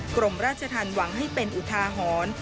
กรมราชธรรมหวังให้เป็นอุทาหรณ์